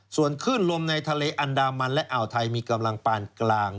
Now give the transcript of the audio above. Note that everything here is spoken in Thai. ส่วนคลื่นลมในทะเลอันดามันและอ่าวไทยมีกำลังปานกลาง